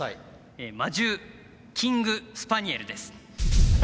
「魔獣キングスパニエル」です。